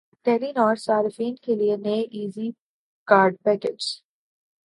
ٹیلی نار صارفین کے لیے نئے ایزی کارڈ پیکجز